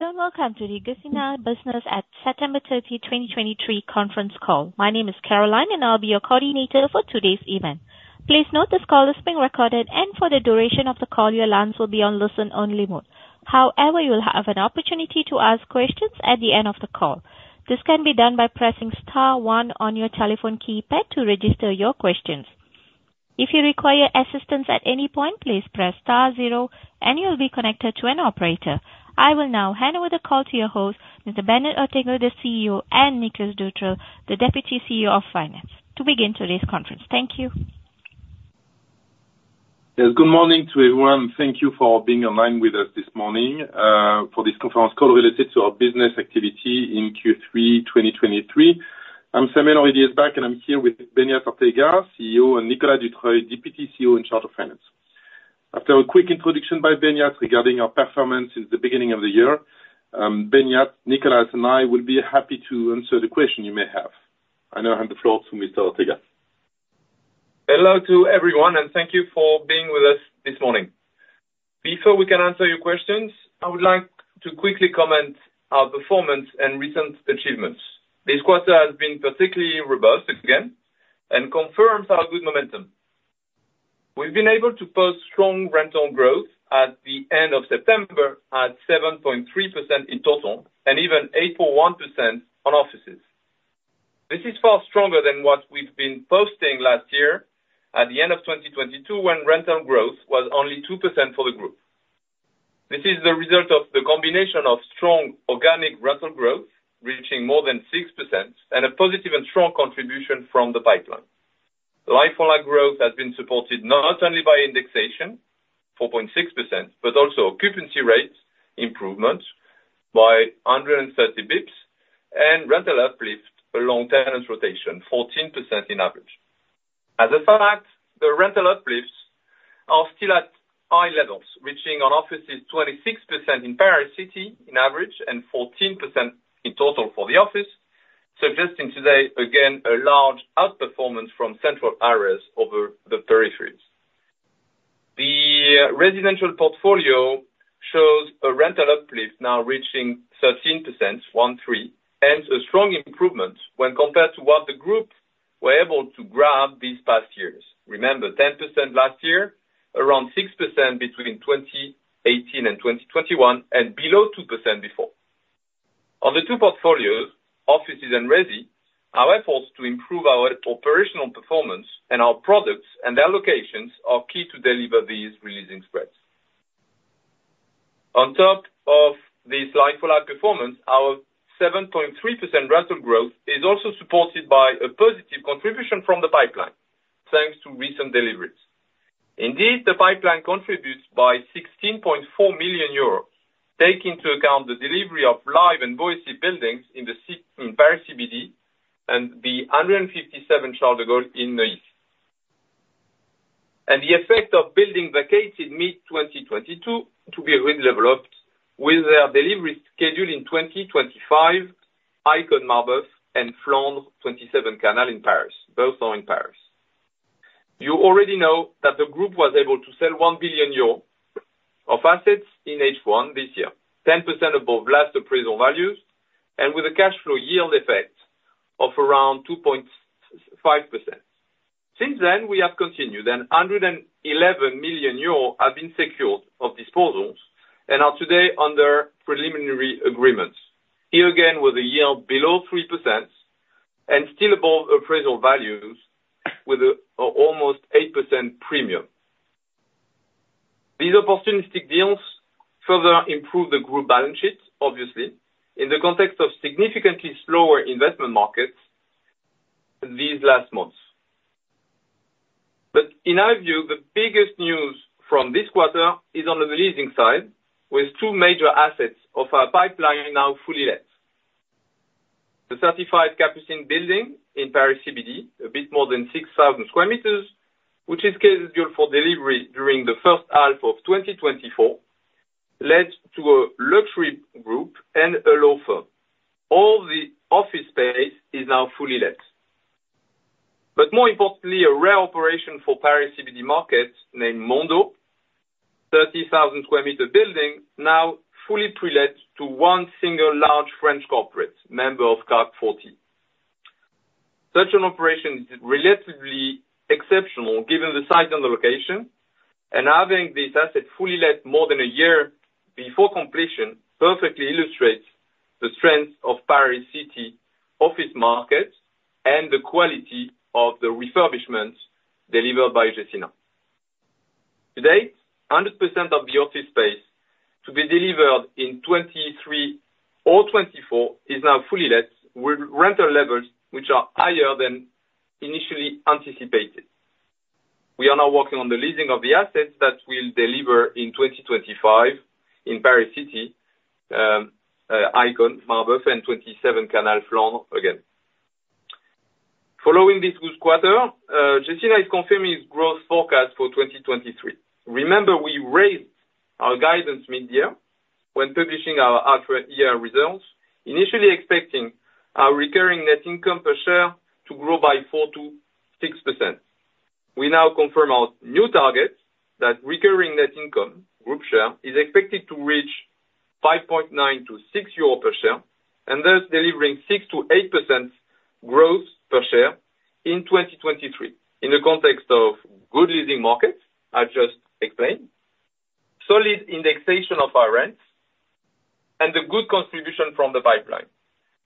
Hello, and welcome to the Gecina Business at September 30, 2023 conference call. My name is Caroline, and I'll be your coordinator for today's event. Please note this call is being recorded, and for the duration of the call, your lines will be on listen only mode. However, you will have an opportunity to ask questions at the end of the call. This can be done by pressing star one on your telephone keypad to register your questions. If you require assistance at any point, please press star zero, and you'll be connected to an operator. I will now hand over the call to your host, Mr. Beñat Ortega, the CEO, and Nicolas Dutreuil, the Deputy CEO of Finance, to begin today's conference. Thank you. Yes, good morning to everyone. Thank you for being online with us this morning for this conference call related to our business activity in Q3 2023. I'm Samuel Henry-Diesbach, and I'm here with Beñat Ortega, CEO, and Nicolas Dutreuil, Deputy CEO in charge of Finance. After a quick introduction by Beñat regarding our performance since the beginning of the year, Beñat, Nicolas, and I will be happy to answer the question you may have. I now hand the floor to Mr. Ortega. Hello to everyone, and thank you for being with us this morning. Before we can answer your questions, I would like to quickly comment our performance and recent achievements. This quarter has been particularly robust again and confirms our good momentum. We've been able to post strong rental growth at the end of September, at 7.3% in total, and even 8.1% on offices. This is far stronger than what we've been posting last year at the end of 2022, when rental growth was only 2% for the group. This is the result of the combination of strong organic rental growth, reaching more than 6%, and a positive and strong contribution from the pipeline. Like-for-like growth growth has been supported not only by indexation, 4.6%, but also occupancy rates improvement by 130 bps and rental uplift along tenant rotation, 14% in average. In fact, the rental uplifts are still at high levels, reaching on offices 26% in Paris City in average and 14% in total for the office, suggesting today, again, a large outperformance from central areas over the peripheries. The residential portfolio shows a rental uplift now reaching 13%, one, three, and a strong improvement when compared to what the group were able to grab these past years. Remember, 10% last year, around 6% between 2018 and 2021, and below 2% before. On the two portfolios, offices and resi, our efforts to improve our operational performance and our products and their locations are key to deliver these re-leasing spreads. On top of this like-for-like performance, our 7.3% rental growth is also supported by a positive contribution from the pipeline, thanks to recent deliveries. Indeed, the pipeline contributes by 16.4 million euros, taking into account the delivery of l1ve and Boétie buildings in the CBD in Paris CBD and the 157 CdG in the east. And the effect of building vacated mid-2022 to be redeveloped, with their delivery scheduled in 2025, Icône-Marbeuf, and 27 Canal-Flandre in Paris. Both are in Paris. You already know that the group was able to sell 1 billion euro of assets in H1 this year, 10% above last appraisal values, and with a cash flow yield effect of around 2.5%. Since then, we have continued, and 111 million euros have been secured of disposals and are today under preliminary agreements. Here again, with a yield below 3% and still above appraisal values, with an almost 8% premium. These opportunistic deals further improve the group balance sheet, obviously, in the context of significantly slower investment markets these last months. But in our view, the biggest news from this quarter is on the leasing side, with two major assets of our pipeline now fully let. The certified Capucines building in Paris CBD, a bit more than 6,000 sq m, which is scheduled for delivery during the first half of 2024, let to a luxury group and a law firm. All the office space is now fully let. But more importantly, a rare operation for Paris CBD market, named Mondo, 30,000 sq m building, now fully pre-let to one single large French corporate, member of CAC 40. Such an operation is relatively exceptional, given the size and the location, and having this asset fully let more than a year before completion, perfectly illustrates the strength of Paris City office market and the quality of the refurbishments delivered by Gecina. Today, 100% of the office space to be delivered in 2023 or 2024 is now fully let with rental levels, which are higher than initially anticipated. We are now working on the leasing of the assets that we'll deliver in 2025 in Paris CBD, Icône-Marbeuf, and 27 Canal-Flandre again. Following this good quarter, Gecina is confirming its growth forecast for 2023. Remember, we raised our guidance mid-year when publishing our half year results, initially expecting our recurring net income per share to grow by 4%-6%. We now confirm our new targets, that recurring net income, group share, is expected to reach 5.9-6 euro per share, and thus delivering 6%-8% growth per share in 2023, in the context of good leasing markets, I just explained. Solid indexation of our rents, and the good contribution from the pipeline,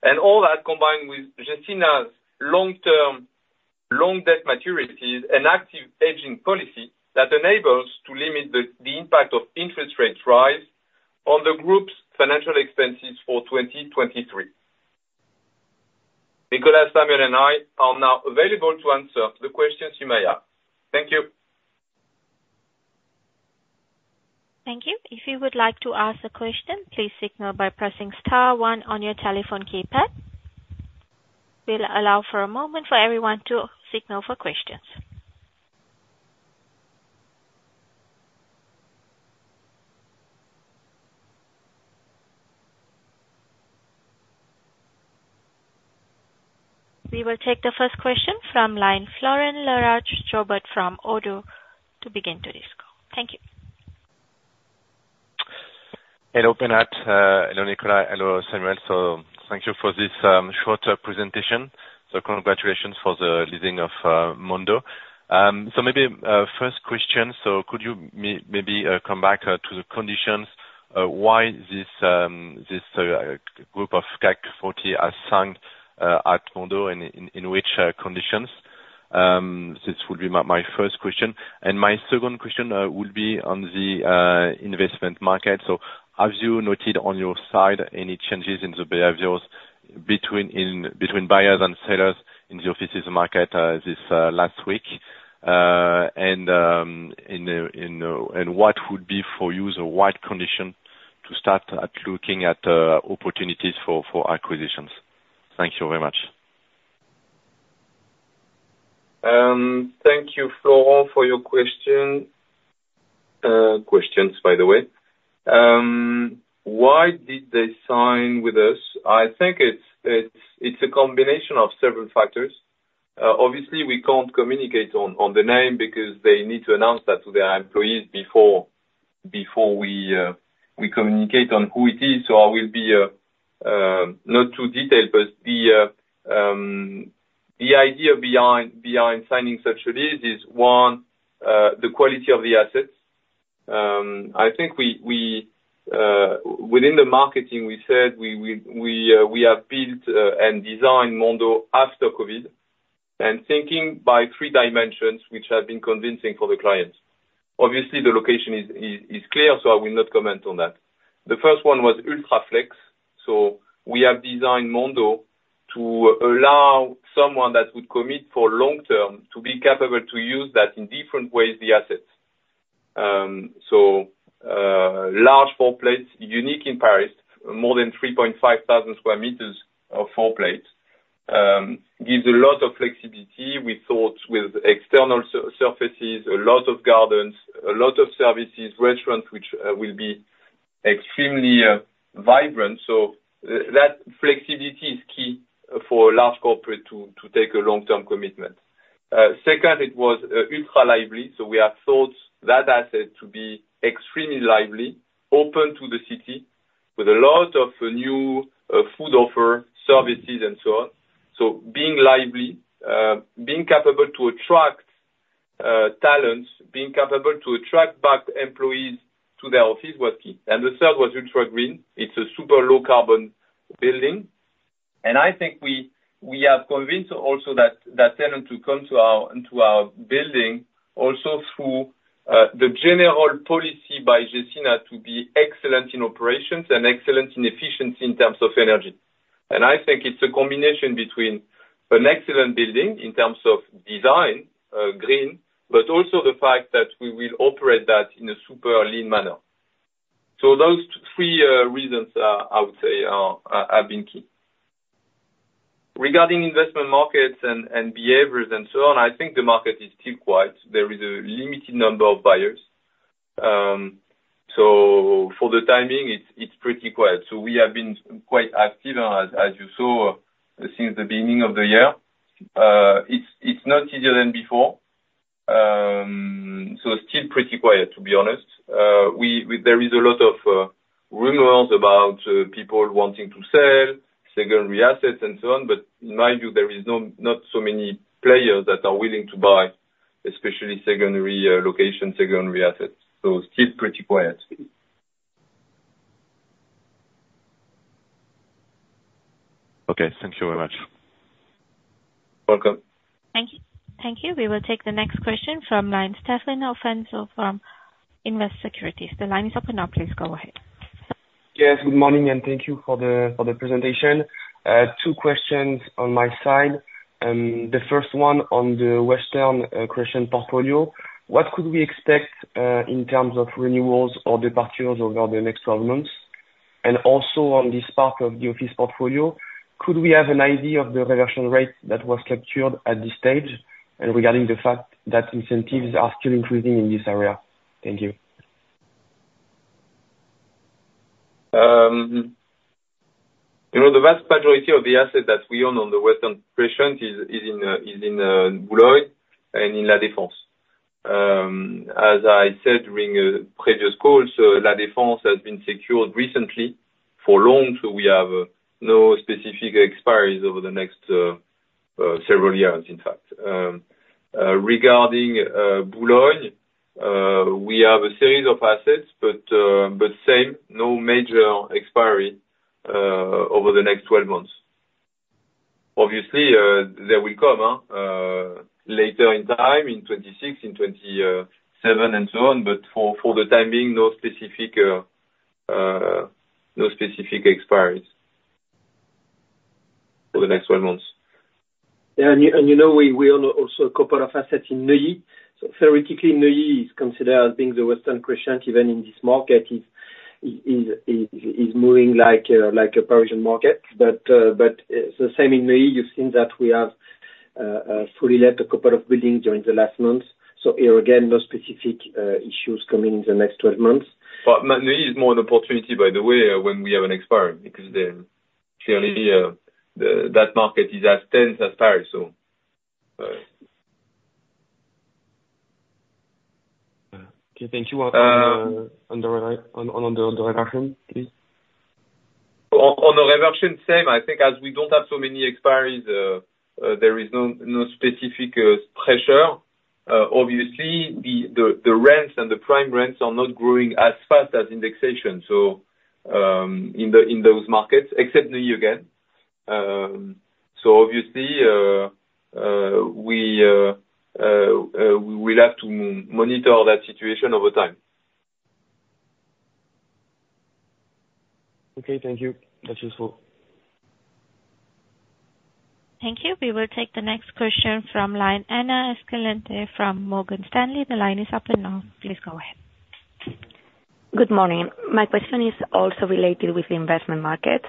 and all that combined with Gecina's long-term, long debt maturities, and active hedging policy that enables to limit the impact of interest rates rise on the group's financial expenses for 2023. Nicolas, Samuel, and I are now available to answer the questions you may have. Thank you. Thank you. If you would like to ask a question, please signal by pressing star one on your telephone keypad. We'll allow for a moment for everyone to signal for questions. We will take the first question from line, Florent Laroche-Joubert from ODDO, to begin the discussion. Thank you. Hello, Beñat, hello, Nicolas, hello, Samuel. Thank you for this short presentation. Congratulations for the leasing of Mondo. So maybe first question, could you maybe come back to the conditions why this group of CAC 40 has signed at Mondo, in which conditions? This would be my first question. And my second question would be on the investment market. So have you noted on your side any changes in the behaviors between buyers and sellers in the offices market this last week? And what would be for you the right condition to start at looking at opportunities for acquisitions? Thank you very much. Thank you, Florent, for your question, questions, by the way. Why did they sign with us? I think it's a combination of several factors. Obviously, we can't communicate on the name, because they need to announce that to their employees before we communicate on who it is. So I will be not too detailed, but the idea behind signing such a lease is, one, the quality of the assets. I think we, within the marketing, we said we have built and designed Mondo after COVID, and thinking by three dimensions, which have been convincing for the clients. Obviously, the location is clear, so I will not comment on that. The first one was ultra-flex, so we have designed Mondo to allow someone that would commit for long term to be capable to use that in different ways, the assets. So large floor plates, unique in Paris, more than 3,500 sq m of floor plate, gives a lot of flexibility. We thought with external surfaces, a lot of gardens, a lot of services, restaurants, which will be extremely vibrant. So that flexibility is key for large corporate to take a long-term commitment. Second, it was ultra lively, so we have thought that asset to be extremely lively, open to the city, with a lot of new food offer, services, and so on. So being lively, being capable to attract talents, being capable to attract back employees to the office was key. And the third was ultra-green. It's a super low carbon building, and I think we have convinced also that tenant to come into our building, also through the general policy by Gecina to be excellent in operations and excellent in efficiency in terms of energy. And I think it's a combination between an excellent building in terms of design, green, but also the fact that we will operate that in a super lean manner. So those three reasons, I would say have been key. Regarding investment markets and behaviors and so on, I think the market is still quiet. There is a limited number of buyers. So for the timing, it's pretty quiet. So we have been quite active, as you saw, since the beginning of the year. It's not easier than before. So it's still pretty quiet, to be honest. There is a lot of rumors about people wanting to sell secondary assets and so on, but mind you, there is not so many players that are willing to buy, especially secondary location, secondary assets, so still pretty quiet. Okay, thank you very much. Welcome. Thank you. Thank you. We will take the next question from line, Stéphane Afonso from Invest Securities. The line is open now, please go ahead. Yes, good morning, and thank you for the, for the presentation. Two questions on my side. The first one on the Western Crescent portfolio. What could we expect in terms of renewals or departures over the next 12 months? And also, on this part of the office portfolio, could we have an idea of the reversion rate that was captured at this stage, and regarding the fact that incentives are still increasing in this area? Thank you. You know, the vast majority of the assets that we own on the Western Crescent is in Boulogne and in La Défense. As I said during a previous call, so La Défense has been secured recently for long, so we have no specific expiries over the next several years, in fact. Regarding Boulogne, we have a series of assets, but same, no major expiry over the next 12 months. Obviously, they will come later in time, in 2026, in 2020, 2027, and so on. But for the time being, no specific expiries for the next 12 months. Yeah, and you know, we own also a couple of assets in Neuilly. So theoretically, Neuilly is considered as being the Western Crescent, even in this market, is moving like a Parisian market. But it's the same in Neuilly. You've seen that we have fully let a couple of buildings during the last month. So here, again, no specific issues coming in the next 12 months. Neuilly is more an opportunity, by the way, when we have an expiry, because then clearly, that market is as tense as Paris, so. Okay, thank you. Uh- On the reversion, please. On the reversion, same. I think as we don't have so many expiries, there is no specific pressure. Obviously, the rents and the prime rents are not growing as fast as indexation, so in those markets, except Neuilly, again. So obviously, we will have to monitor that situation over time. Okay, thank you. That's useful. Thank you. We will take the next question from line, Ana Escalante from Morgan Stanley. The line is open now, please go ahead. Good morning. My question is also related with the investment market.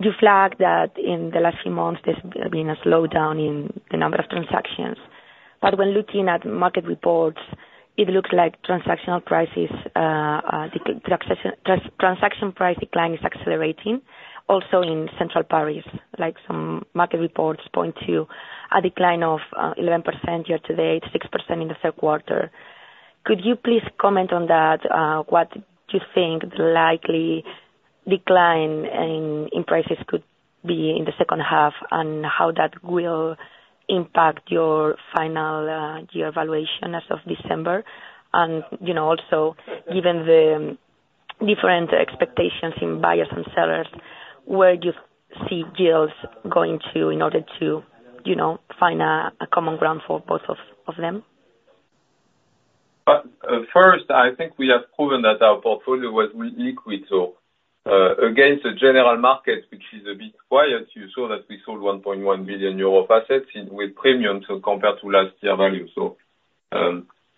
You flagged that in the last few months, there's been a slowdown in the number of transactions. But when looking at market reports, it looks like transactional prices, transaction price decline is accelerating also in central Paris, like some market reports point to a decline of 11% year to date, 6% in the third quarter. Could you please comment on that? What do you think the likely decline in prices could be in the second half, and how that will impact your final year evaluation as of December? And, you know, also, given the different expectations in buyers and sellers, where do you see deals going to in order to, you know, find a common ground for both of them? First, I think we have proven that our portfolio was liquid, so against the general market, which is a bit quiet, you saw that we sold 1.1 billion euro assets in with premium, so compared to last year value. So,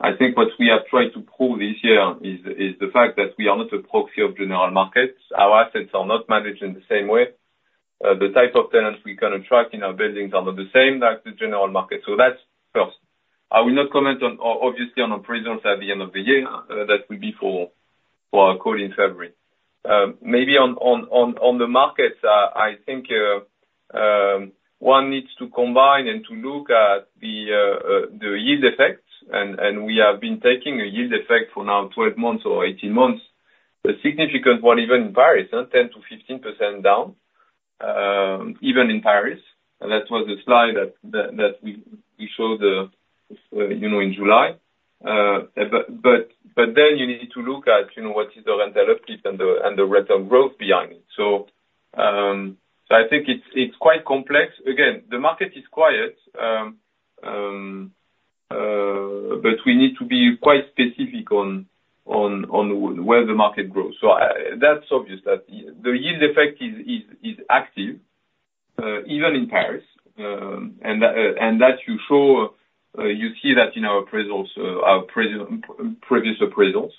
I think what we are trying to prove this year is the fact that we are not a proxy of general markets. Our assets are not managed in the same way. The type of tenants we can attract in our buildings are not the same as the general market. So that's first. I will not comment on, obviously, on our presence at the end of the year. That will be for our call in February. Maybe on the markets, I think one needs to combine and to look at the yield effect. We have been taking a yield effect for now 12 months or 18 months. The significant one, even in Paris, 10%-15% down, even in Paris, and that was the slide that we showed, you know, in July. But then you need to look at, you know, what is the rental uplift and the rate of growth behind it. So I think it's quite complex. Again, the market is quiet, but we need to be quite specific on where the market grows. So that's obvious, that the yield effect is active, even in Paris. And that, and that you show, you see that in our appraisals, our previous appraisals.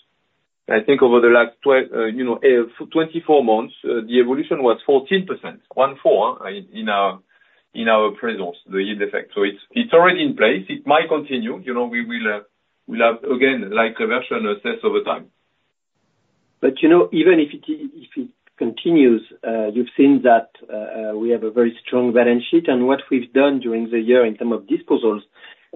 I think over the last 24 months, you know, the evolution was 14%, one four, in our appraisals, the yield effect. So it's, it's already in place. It might continue. You know, we will, we'll have, again, like reversion, assess over time. But you know, even if it continues, you've seen that we have a very strong balance sheet. And what we've done during the year in terms of disposals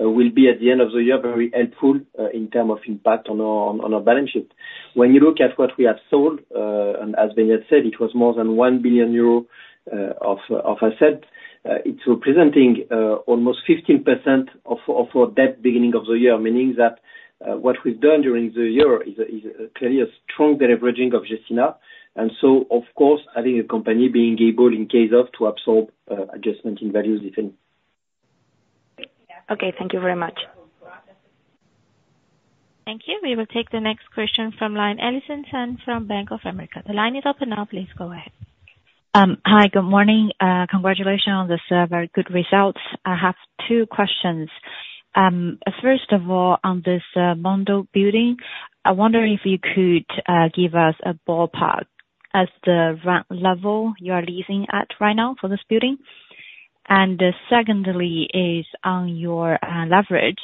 will be, at the end of the year, very helpful in terms of impact on our balance sheet. When you look at what we have sold, and as Beñat said, it was more than 1 billion euro of assets, it's representing almost 15% of our debt beginning of the year, meaning that what we've done during the year is clearly a strong deleveraging of Gecina. And so, of course, having a company being able, in case of, to absorb adjustment in values, if any. Okay, thank you very much. Thank you. We will take the next question from line, Allison Tan from Bank of America. The line is open now, please go ahead. Hi, good morning. Congratulations on the very good results. I have two questions. First of all, on this Mondo building, I wonder if you could give us a ballpark as to the rental level you are leasing at right now for this building? And secondly, on your leverage.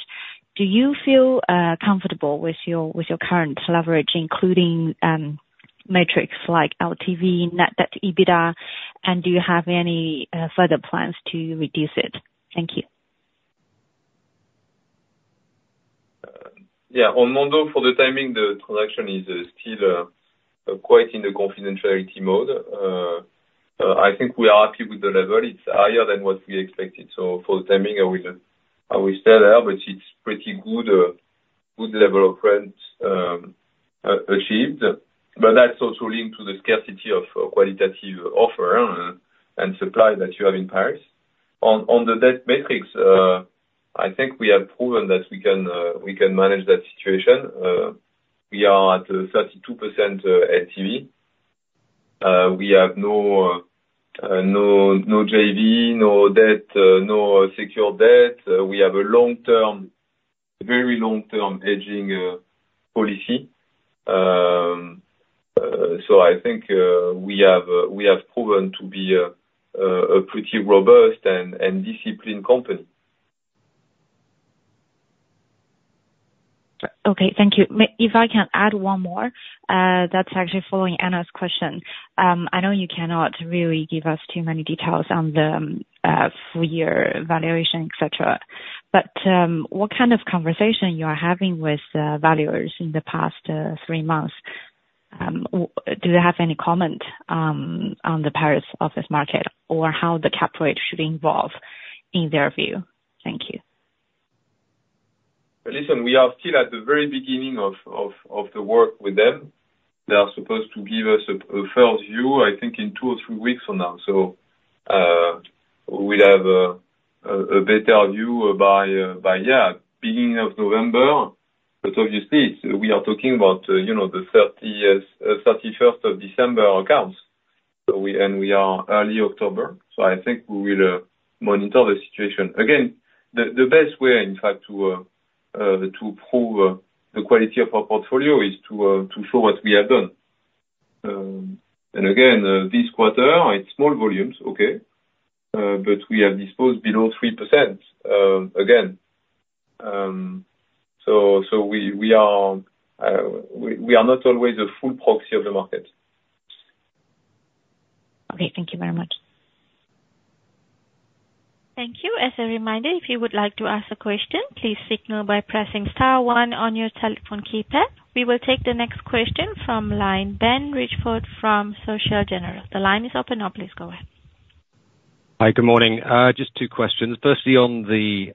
Do you feel comfortable with your current leverage, including metrics like LTV, net debt to EBITDA? And do you have any further plans to reduce it? Thank you. Yeah, on Mondo, for the timing, the transaction is still quite in the confidentiality mode. I think we are happy with the level. It's higher than what we expected, so for the timing, I will stay there, but it's pretty good, good level of rent achieved. But that's also linked to the scarcity of qualitative offer and supply that you have in Paris. On the debt metrics, I think we have proven that we can manage that situation. We are at 32% LTV. We have no JV, no debt, no secure debt. We have a long-term, very long-term hedging policy. So I think we have proven to be a pretty robust and disciplined company. Okay, thank you. If I can add one more, that's actually following Anna's question. I know you cannot really give us too many details on the full year valuation, et cetera, but what kind of conversation you are having with valuers in the past three months? Do they have any comment on the Paris office market, or how the cap rate should involve in their view? Thank you. Listen, we are still at the very beginning of the work with them. They are supposed to give us a fair view, I think, in two or three weeks from now. So, we'll have a better view by, yeah, beginning of November. But obviously, we are talking about, you know, the thirty-first of December accounts. So we and we are early October, so I think we will monitor the situation. Again, the best way, in fact, to prove the quality of our portfolio is to show what we have done. And again, this quarter, it's small volumes, okay, but we have disposed below 3%, again. So, we are not always a full proxy of the market. Okay, thank you very much. Thank you. As a reminder, if you would like to ask a question, please signal by pressing star one on your telephone keypad. We will take the next question from line Ben Richford from Societe Generale. The line is open now, please go ahead. Hi, good morning. Just two questions. Firstly, on the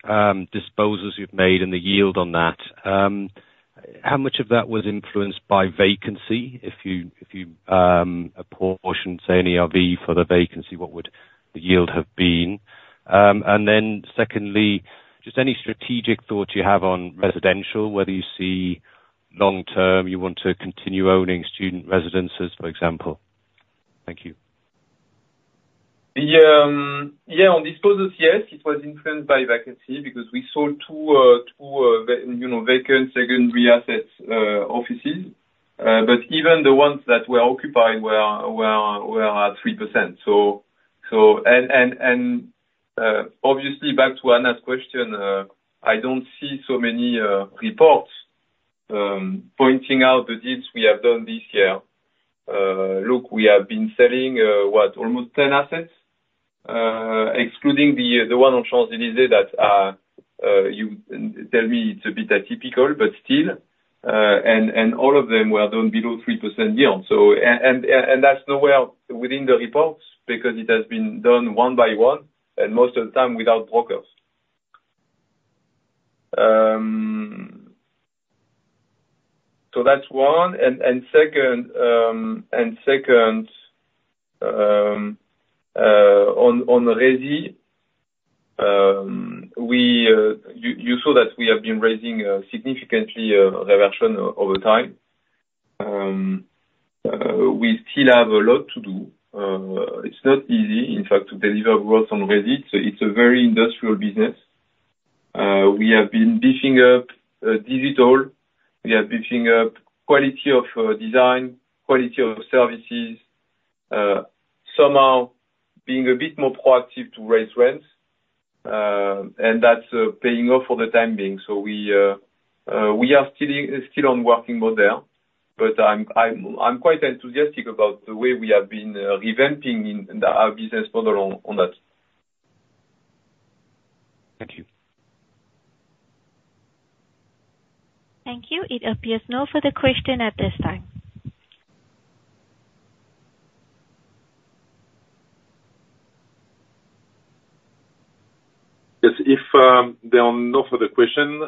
disposals you've made and the yield on that, how much of that was influenced by vacancy? If you apportion, say, an ERV for the vacancy, what would the yield have been? And then secondly, just any strategic thoughts you have on residential, whether you see long-term, you want to continue owning student residences, for example. Thank you. Yeah. Yeah, on disposals, yes, it was influenced by vacancy, because we sold two vacant secondary assets, offices. But even the ones that were occupied were at 3%. So... And obviously, back to Ana's question, I don't see so many reports pointing out the deals we have done this year. Look, we have been selling what? Almost 10 assets, excluding the one on Champs-Élysées that you tell me it's a bit atypical, but still. And all of them were done below 3% yield. So that's nowhere within the reports, because it has been done one by one, and most of the time without brokers. So that's one, and second, on resi, you saw that we have been raising significantly reversion over time. We still have a lot to do. It's not easy, in fact, to deliver growth on resi, so it's a very industrial business. We have been beefing up digital. We are beefing up quality of design, quality of services, somehow being a bit more proactive to raise rents, and that's paying off for the time being. So we are still working more there, but I'm quite enthusiastic about the way we have been revamping our business model on that. Thank you. Thank you. It appears no further question at this time. Yes, if there are no further question,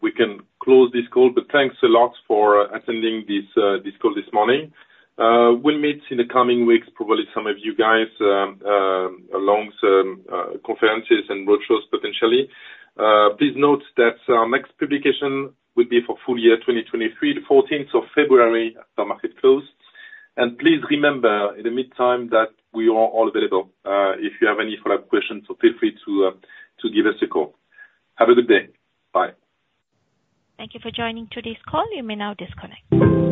we can close this call, but thanks a lot for attending this this call this morning. We'll meet in the coming weeks, probably some of you guys along some conferences and roadshows potentially. Please note that our next publication will be for full year 2023, the 14th of February, the market closed. Please remember, in the meantime, that we are all available if you have any follow-up questions, so feel free to to give us a call. Have a good day. Bye. Thank you for joining today's call. You may now disconnect.